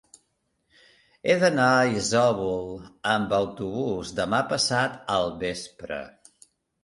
He d'anar a Isòvol amb autobús demà passat al vespre.